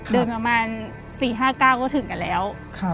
เดินประมาณ๔๕ก้าวก็ถึงกันแล้ว